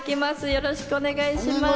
よろしくお願いします。